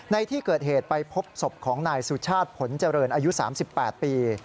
ในที่เกิดเหตุไปพบศพของนายสุชาติผลเจริญอายุ๓๘ปี